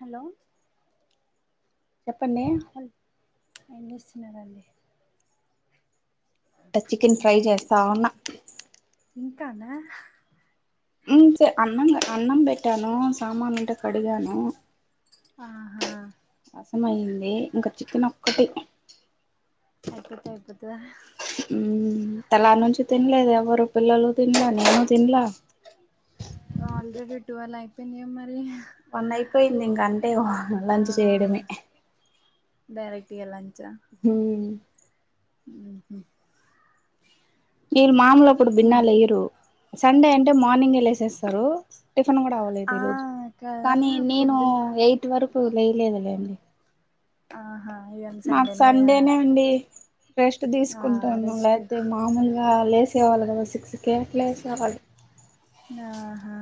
Hello చెప్పండి hello ఏం చేస్తున్నరండి ట చికెన్ ఫ్రై చేస్తా ఉన్నా ఇంకానా ఉ స అన్నం అన్నం పెట్టాను సామాన్లు ఉంటే కడిగాను ఆహా రసం అయింది ఇంకా చికెన్ ఒక్కటి అయిపోతే అయిపోతాదా ఉ తలార నుంచి తినలేదు ఎవరు పిల్లలు తిన్ల నేను తిన్లా ఆల్రెడీ ట్వెల్వ్ అయిపోయింది గా మరి వన్ అయిపోయింది ఇంక అంటేమో ఆ లంచ్ చేయడమే డైరెక్ట్ ఇగా లంచ్ ఆ హు ఉహు వీళ్ళు మామూలు అప్పుడు బిన్నలు మ్మ్. వేయరు సండే అంటే మార్నింగ్ ఏ లేసేస్తారు టిఫిన్ కూడా అవ్వలేదు ఆ ఈరోజు కదా కానీ నేను పొద్దున్న ఎయిట్ వరకు లేయలేదు లేండి ఆహా ఇవాళ మాకు కదా సండేనే ఉండి రెస్ట్ ఆ తీసుకుంటాన్నాడ్ రెస్ట్ లేకపోతే మామూలుగా లేసేవాళ్ళు గద సిక్స్ కే లేసేవాడు ఆహా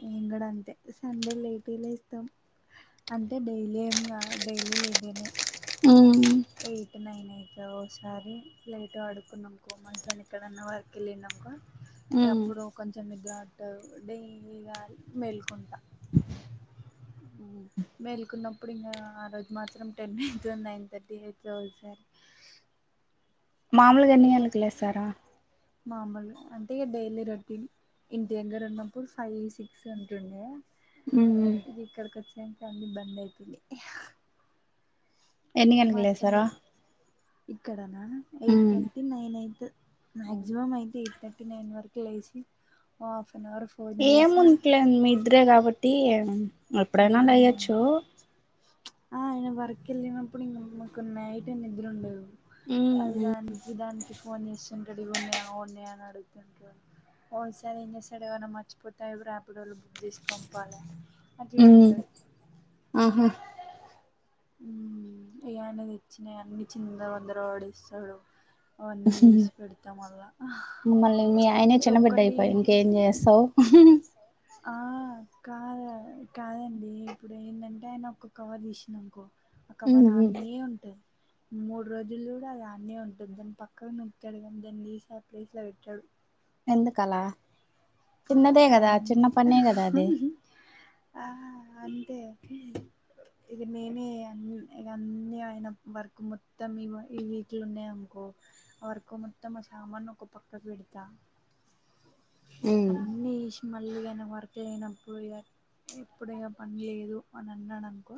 మేము కూడా అంతే సండే లేటే లేస్తాం అంటే డైలీ ఏం గా డైలీ లేగను ఊ ఎయిట్ నైన్ అయితది ఓసారి లేట్ పడుకున్నాముకో మా హస్బెండ్ ఎక్కడన్నా వర్క్ వెళ్లిండనుకో ఉమ్ ఇప్పుడు కొంచెం ఇద్ర అట్ డైలీగా మేల్కుంటా మేలుకున్నప్పుడు ఇంకా ఆ రోజు మాత్రం టెన్ అయితది నైన్ థర్టీ అయితది ఒకసారి మాముూలుగా ఎన్ని గంటలకు లేస్తారు మామూలు అంటే ఇక డైలీ రొటీన్ ఇంటి దగ్గర ఉన్నప్పుడు ఫైవ్ సిక్స్ ఉంటుండే ఊ ఇగ ఇక్కడికి వచ్చినంక అన్ని బందయితుంది ఎన్ని గంటలకు లేస్తారు అత్తమ్మ ఇక్కడనా ఎయిట్ థర్టీ నైన్ అయితద్ మ్యాక్సిమం అయితే ఎయిట్ థర్టీ నైన్ వరకు లేచి ఓ హాఫ్ అన్ అవర్ ఫోన్ ఏం చేసి ఉంట్లే మీ ఇద్దరే కాబట్టి ఎప్పుడైనా లెయ్యచ్చు ఆ అయన వర్క్ వెళ్ళినప్పుడు ఇంకా మాకు నైట్ నిద్ర ఉండదు ఊ అవి దానికి దానికి ఫోన్ చేస్తుంటాడు ఇవి ఉన్నాయా అవి ఉన్నాయా అని అడుగుతుంటాడు పోన్సార్ ఏం చేశాడు ఏవన్నా మర్చిపోతాయి రాపిడో బుక్ చేసి పంపాలే ఉమ్ ఆహా ఊ ఇగ ఆయన తేచ్చినయన్నీ చిందర వందర పడేస్తాడు మమ్మల్ని మీ ఆయనే ఇప్పుడు చిన్నబిడ్డ అయిపోయె ఇంకేం చేస్తావ్ స ఆ కాదా కాదండి ఇప్పుడు ఏందంటే ఆయన ఒక కవర్ తీసిండనుకో ఆ కవరానీ ఉంటే మూడు రోజుల్లూగా అది ఆడనే ఉంటుంది దాన్ని పక్కకు నూకుతాడు కానీ దాన్ని తీసి దాని ప్లేస్ లో పెట్టడు ఎందుకలా చిన్నదే కదా ఆయనంతే చిన్న పనే కదా అది ఆహా అంతే ఓకే ఇవి నేనే అన్నీ ఇగ అన్నీ ఆయిన వర్కు మొత్తం ఇవ ఇవి ట్లు ఉన్నాయి అనుకో వర్కు మొత్తం ఆ సామాను ఒక పక్కకు పెడతా ఊ అన్నీ ఏషి మళ్ళీ గాన వర్క్ లేనప్పుడు ఇగ ఎప్పుడైగా పని లేదు అని అన్నాడు అనుకో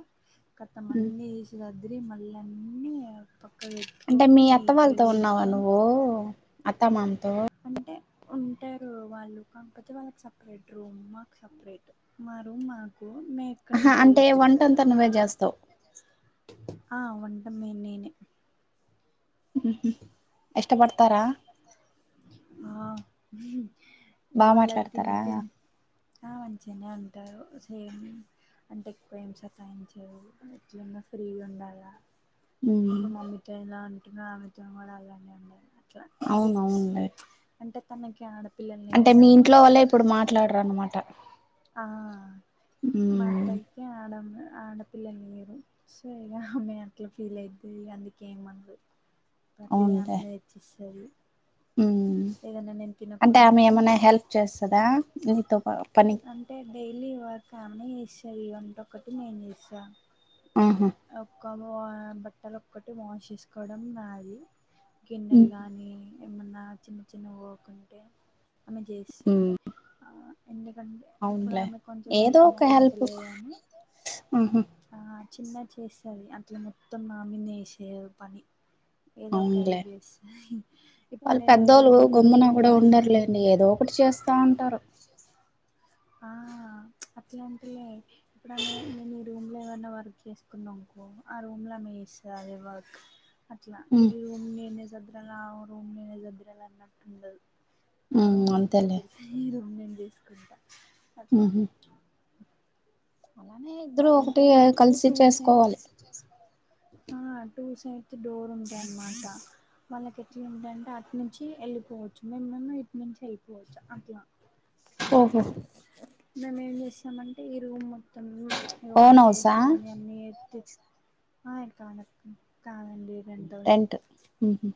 ఖతం ఉమ్ అన్నీ యేషి గద్రి మళ్ళ అన్నీ ఓ పక్కకు పె అంటే మీ అత్త వాళ్ళతో ఉన్నావా నువ్వు అత్తా మామతో అంటే ఉంటారు వాళ్ళు కాకపోతే వాళ్ళకి సపరేట్ రూం మాకు స సప్రేట్ మా రూమ్ మాకు మే ఇక్కడి ఆహా నుంచి అంటే ఎళ్లొచ్చు వంటంతా నువ్వే చేస్తావు ఆ వంటమ్మే నేనే హూహూ ఇష్టపడతారా ఆ బాగా వాళ్ళు అది తిని మాట్లాడతారా తి ఆ మంచిగనే ఉంటారు సేమ్ అంటే ఎక్కువ ఏం సతాయించవు ఎట్లున్నా ఫ్రీ గుండాల ఉమ్ ఇప్పుడు మమ్మీతో ఎలా ఉంటున్నా ఆమెతో కూడా అలానే ఉండే అట్లా అవును అట్లుంటది అవునులే అంటే తనకి ఆడపిల్లలు లేరు అనమాట ట్లాడరనమాట ఆ మా అత్తయ్య కి ఆడము ఆడపిల్లలు లేరు సో ఇగ ఆమె అట్లా ఫీల్ అయిపోయి అందుకే ఏం అనదు ప్రతిదీ ఆమెనే తెచ్చిస్తది ఊ ఏదన్నా నేను అంటే తినకున్నా ఆమె కూడా ఏమన్నా హెల్ప్ చేస్తదా నీతో ప పని అంటే డైలీ వర్క్ ఆమెనే చేస్తది వంట ఒకటి నేను చేస్తా ఆహా ఒక్క వా బట్టలు ఒక్కటి వాష్ చేసుకోవడం నాది గిన్నెలు గానీ ఏమన్నా చిన్న చిన్న వొకుంటే ఆమె చేస్తాది ఉమ్ ఆ ఎందుకంటే ఇప్పుడు అవునులే ఆమె కొంచెం హెల్త్ బావుంటలేదని ఊహూ ఆ చిన్న చేస్తది అట్ల మొత్తం ఆమెనే ఏషేది పని ఏదో ఒక అవునులే హెల్ప్ చెస్తది ఇప్పుడు నేను ఈ రూం మొత్తం సదురుకో ని ఏదో ఒకటి చేస్తా ఉంటారు ఆ అట్లంటే ఇప్పుడు ఆమె నేను ఈ రూం లో ఏవన్నా వర్క్ చేసుకున్నా అనుకో ఆ రూం లో ఆమె చేస్తది అదే వర్క్ అట్లా ఈ ఉమ్ రూం నేనే సదరాల ఆమె రూం నేనే సదరాల అన్నట్టు ఉండదు ఆ ఉమ్ రూం ఆమె అంతేలే సదిరితే ఈ రూం నేను జూసుకుంటా అట్లా ఉహు అలానే ఇద్దరూ అంటే ఒకటిగా మాకు కలిసి టూ చేసుకోవాలి సైడ్స్ ఆ టూ సైడ్స్ డోర్ ఉంటాయి అన్నమాట వాళ్ళకు ఎట్లుందంటే అటు నుంచి వెళ్ళిపోవచ్చు మేమేమో ఇటు నుంచి వెళ్ళిపోవచ్చు అట్లా హా ఓహో మేము ఏం చేస్తామంటే ఈ రూమ్ మొత్తం ఇగ ఓన్ వంట హౌసా చేసుకొని అన్నీ తెచ్ ఆ ఇంకా ఉన్నారు కాదండి రొండు రోజులు హ్మ్ హు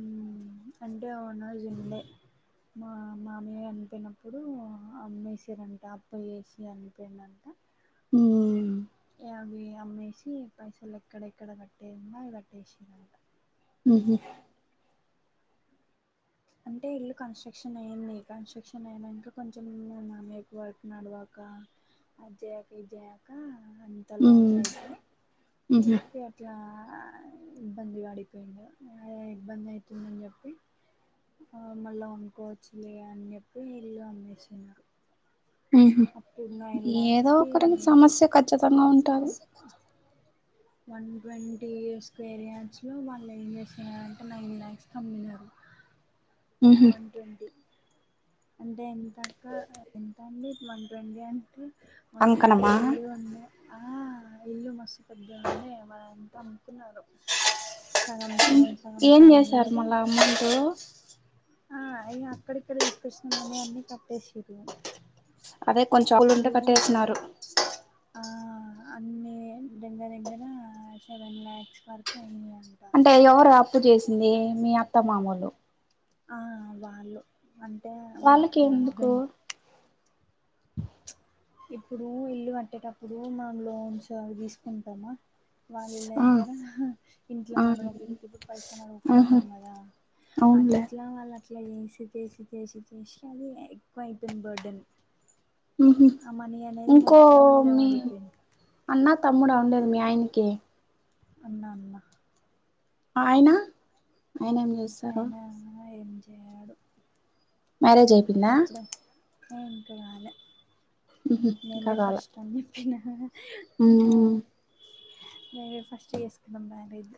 మ్మ్ అంటే ఓనర్స్ ఉండే మా మామయ్య చనిపోయినప్పుడు అమ్మేసిరంట అప్పు చేసి చనిపోయిండంట మ్మ్ ఇగ అవి అమ్మేసి పైసలు ఎక్కడెక్కడ కట్టేదుందో ఇవి కట్టేసిందంట మ్మ్ హు అంటే ఇల్లు కన్స్ట్రక్షన్ అయిింది కన్స్ట్రక్షన్ అయినంక కొంచెం మా మామయ్యకు వర్క్ నడవక అది జెయ్యక ఇది జెయ్యక అంత ఉమ్ లాస్ అయిపోయి ఉహు ఇగ ఇట్లా ఇబ్బంది పడిపోయిండు అ ఇబ్బంది అయితుందని చెప్పి ఆ మళ్ళా కొనుకోవచ్చులే అని చెప్పి ఇల్లు అమ్మేసిండు అంట ఉహు అప్పుడు నైన్ లాక్స్ ఏదో కి ఒకరికి సమస్య ఖచ్చితంగా ఉంటాది వన్ ట్వంటీ స్క్వేర్ యార్డ్స్లో వాళ్ళు ఏం చేసినార అంటే నైన్ ల్యాక్స్ కి అమ్మినారు ఉహు వన్ ట్వంటీ అంటే ఎంత అక్క ఎంతండి వన్ ట్వంటీ అంటే మస్త్ పెద్ద అంకనమా ఇల్లు ఉన్న ఆ ఇల్లు మస్త్ పెద్ద ఉండే మన అంతా అమ్ముకున్నారు సగం సగం సగం ఏం సగం చేసారు చేసి మళ్ళా అమౌంట్ ఆ ఇగ అక్కడిక్కడ తీసుకొచ్చినవన్ని అన్ని కట్టేసిర్రు అదే కొంచెం అప్పులుంటే ఇప్పుడు కట్టేసినారు ఆ అన్ని దగ్గర దగ్గర సెవెన్ ల్యాక్స్ వరకు అయినాయియంట అంటే ఎవరు అప్పు చేసింది మీ అత్త మామోళ్ళు ఆ వాళ్ళు అంటే వాళ్ళకి మా హస్బెండ్ కాళి ఇప్పుడు ఇల్లు కట్టేటప్పుడు మనం లోన్స్ అవి తీసుకుంటామా వాళ్ళ ఆ దగ్గర ఇంట్లో ఆ నడవకపోతే ఇప్పుడు పైసా ఆహా నడుగుకుంటాం కదా అవునులే అట్లా వాళ్ళు అట్ల వేసి చేసి చేసి చేసి అది ఎక్కువ అయిపోయింది బర్డన్ హ్మ్ హు ఇంకో మొత్తం మీద మీ పడిపోయింది అన్న తమ్ముడా ఉండేది మీ ఆయనకి అన్నా అన్నా ఆయనా ఆయన ఏం చేస్ ఆయన ఏం చేయడు మ్యారేజ్ అయిపోయిందా ఈ ఇంకా కాలే ఉహు నేనే ఫస్ట్ తనని పోయిన మ్మ్ మే ఫస్ట్ చేసుకున్నాాం మ్యారేజ్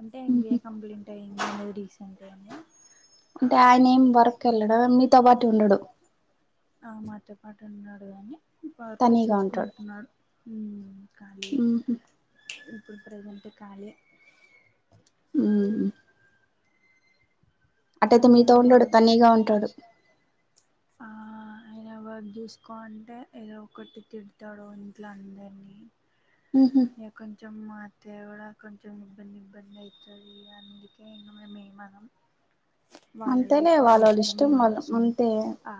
అంటే ఉహు ఎన్బీఏ కంప్లీట్ టైం అది రీసెంట్ గానే అంటే ఆయన ఏం వర్క్ వెెళ్ళడ మీతో పాటు ఉండడు ఆ మాతో పాటు ఉన్నాడు కాగాని పార్క్ తనీగా ఉంటాడు చూసుకుంటున్నాడు ఖాళీ యే ఉహు ఇప్పుడు ప్రజెంట్ ఖాళీ యే మ్మ్ అట్టయితే ఆయన మీతో ఏదో ఉండడు వర్క్ తన్నీగా ఉంటాడు ఆ ఏదో వర్క్ జూసుకో అంటే ఏదో ఒకటి తిడతడు ఇంట్ల అందరినీ ఉమ్ హ్ ఇగ కొంచెం మా అత్తయ గూడ కొంచెం ఇబ్బంది ఇబ్బంది అయితది అందుకే ఇంకా మేం ఏమనం వాళ్ళ అంతేలే లైఫ్ వాళ్ళ ఇష్టము ఇష్టం ఏమన్న వాళ్ళు అంతే జేస్కొని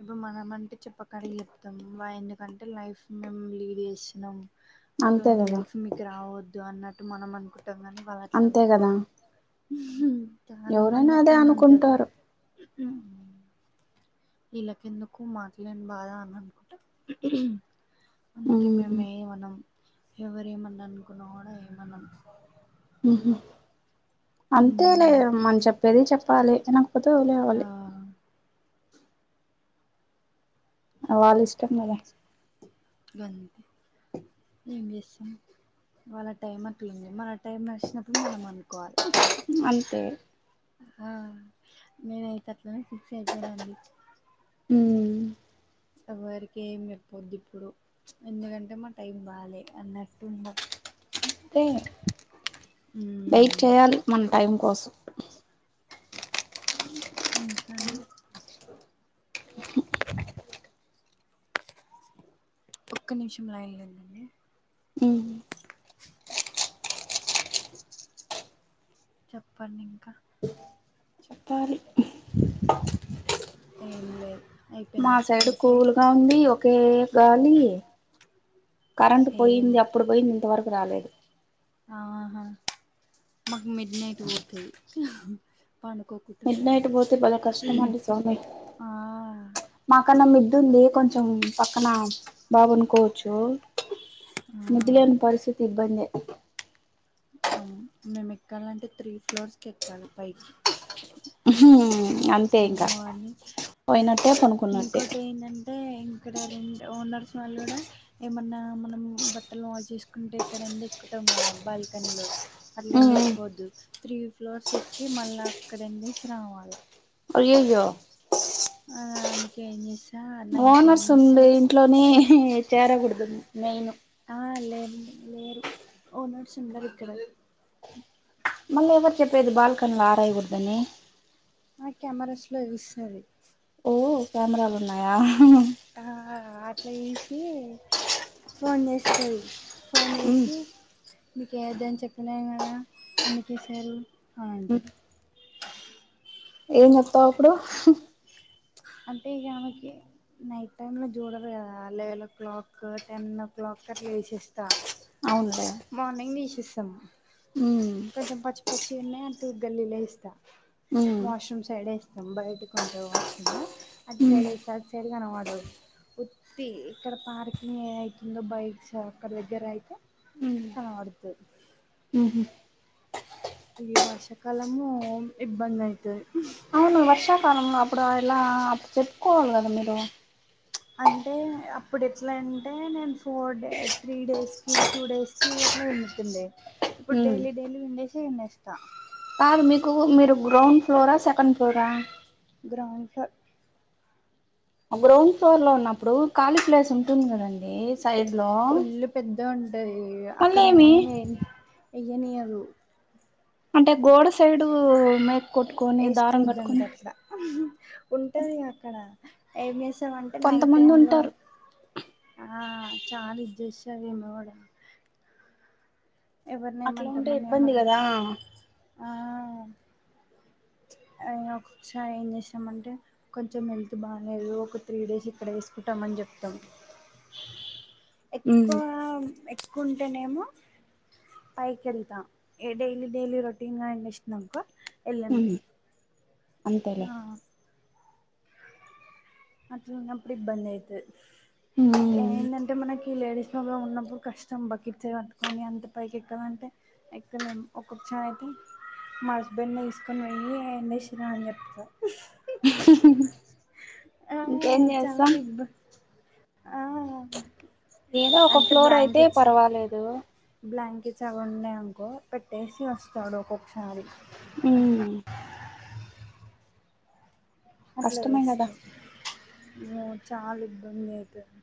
ఇప్పుడు మనమ అంటే చెప్పే కాడికి చెప్తాం ఎందుకంటే లైఫ్ మేము లీడ్ జేస్ నం అంతే అట్లాంటి కదా లైఫ్ మీకు రావద్దు అన్నట్టు మనం అనుకుంటాం గనీ వాలట్ల అంతే అనుకోరు కదా చాలా ఎవరైనా మంది అదే అట్లనే ఉంటరు అనుకుంటారు ఉమ్ ఇల్లకెందుకు మాక్లేని బాధ అని అనుకుంటర్ అందుకే మేము ఉమ్ ఏమనం ఎవర్ ఏమన్న అనుకున్నా కూడ ఏమనం ఉమ్ హు అంతేలే మన్ చెప్పేది చెప్పాలి ఇనకపోతే ఆ వదిలేవాలి వాల్లిష్టం గద గంతే వాళ్ళ టైం అట్లుంది మన టైం నడిచినప్పుడు మనం అనుకోవాలి అంతే ఆ నేనయితే అట్లనే ఫిక్స్ అయిపోయినండి ఉమ్ ఎవ్వరికేం చెప్పొద్ద్ ఇప్పుడు ఎందుకంటే మా టైం బాలే అన్నట్టు ఉండ అంతే వెయిట్ మ్మ్ చేయాలి మన టైం కోసం ఇంకాండి ఒక్క నిమిషం లైన్ లో ఉండండి ఉమ్ చెప్పండింకా చెప్పాలి ఏం లేదు మా అయిపోయిందా సైడ్ చికెన్ ఫ్రై కూల్గా ఉంది ఒక్ కే గాలి కరెంట్ సేమ్ పోయింది అప్పుడు పోయింది ఇంతవరకు రాలేదు ఆహా మాకు మిడ్ నైట్ పోతది మిడ్ పండుకోకున్ నైట్ పోతే భలే కష్టం అండి స్వామి ఆ మాకన్నా మిద్దుమ్ది కొంచెం పక్కన బా పనుకోవచ్చు ఆ టు లేేని పరిస్థితి ఇబ్బందే అవును మేమెక్కాలంటే త్రీ ఫ్లోర్స్ కి ఎక్కాలి పైకి అంతే ఇంకా వామ్మో అన్ని పోయినట్టే పనుకున్నట్టే ఇంకోటి ఏందంట్ టే ఇన్ ఇక్కడ రెంట్ ఓనర్స్ వాళ్ళు గూడ ఏమన్నా మనం బట్టలు వాష్ చేసుకుంటే ఇక్కడ ఎండేసూకుంటాం గదా బల్ కని లో ఉమ్ అట్లేండేసుకోవద్దు త్రీ ఫ్లోర్స్ ఎక్కి మళ్ళ అక్కడ ఎండేసి రావాలా అయ్యయ్యో అదే అందుకే ఏం జేస్ ఓనర్స్ ఉండే ఇంట్లోనే చేరగూడదు మెయిన్ ఆ లేర్ లేరు ఓనర్స్ ఉండరిక్కడ మళ్ళీ ఎవరు చెప్పేది బాల్కనీలో ఆరేయోద్దని ఆ కెమెరాస్ లో ఇస్తది ఓ కెమెరాలు ఉన్నాయా ఆ అట్లా చూసి ఫోన్ చేస్తది ఫోన్ ఉమ్ చేసి నీకేయద్దని చెప్పినను కదా ఎందుకేసారు అని ఉమ్ అంటది ఏం చెప్తావ్ అప్పుడు అంటే ఇక ఆమె కి నైట్ టైమ్ లో చూడరు కదా eleven o'clock ten o'clock అట్లే వేసేస్తా అవును లే మార్నింగ్ నిష ఇస్తము హ్మ్ కొంచెం పచ్చి పచ్చిన్నయి అంటూ గల్లీలో ఎస్తా ఉమ్ వాష్రూమ్ సైడేస్తే తం బా ఇట్టుకుంటావు వాష్రూమ్ అది ఉమ్ సైడ్ వేస్త అది సైడ్ కనబడవు వత్తి ఇక్కడ పార్కింగ్ ఏ అవుతుందో బైక్స్ అక్కడ దగ్గర అయితే ఆడుతు ఊహూ ఈ వర్షాకాలము ఇబ్బంది అయితది ము వర్షాకాలం అప్పుడు ఇలా అప్పుడు చెప్పుకోవాలి కదా మీరు అంటే అప్పుడు ఎట్లా అంటే నేను ఫోర్ డే త్రీ డేస్కి టూ డేస్ డ్రయ్యర్ లో విండుతుండే ఇప్పుడు ఉమ్ డైలీ డైలీ విండేసి విన్నేస్తా కాదు మీకు మీరు గ్రౌండ్ ఫ్లోరా సెకండ్ ఫ్లోరా గ్రౌండ్ ఫ్లో గ్రౌండ్ ఫ్లోర్ లో ఉన్నప్పుడు ఖాళీ ప్లేస్ ఉంటుంది కదండి సైడ్ లో పెద్ద ఉంటుంది అక్కడ ఏమి వెయ్యనీయదు అంటే గోడ సైడు మేక్ కొట్టుకొని దారం కట్టుకొని ఉంటుంది అక్కడ ఏం చేసామంటే నైట్ కొంతమంది టైంలో ఉంటారు ఆ చాల [unintelligible] ఎవరిని అట్లా ఉంటే ఏమంటామని ఇబ్బంది మనం కదా అయన ఒకసారి ఏం చేసామంటే కొంచెం హెల్త్ బానేదు ఒక త్రీ డేస్ ఇక్కడ వేసుకుంటామని చెప్తాం ఉమ్ ఎక్కువ ఎక్కువ ఉంటేనే ఏమో పైకెళ్తా డైలీ డైలీ రొటీన్గా ఎం ఇస్నంకో ఎళ్ళను ఉమ్ అంతేలే [unintelligible] న్నప్పుడు ఇబ్బందైతుది ఉమ్ ఏంద అంటే మనకి లేడీస్ ప్రబ్లం ఉన్నప్పుడు కష్టం బకెట్స్ ఏట్టుకొని అంత పైకి ఎక్కాలంటే ఎక్కలేను ఒక్కొక్క సారి మా హస్బెండ్ నీ తీసుకొని పోయి ఎండేసి రా అని చెప్ ఆ ఇంకేం చాల చేస్తాం ఇబ్ ఆ ఏదో ఒక అంటే ఫ్లోర్ అయితే బ్లాంకెట్స్ పర్వాలేదు బ్లాంకెట్స్ అవి ఉన్నాయనుకో పెట్టేసి వస్తాడు ఒక్కొక్కసారి ఉమ్ అట్లా అట్లా కష్టమే వేస్త కదా చాలా ఇబ్బంది అవుతుంది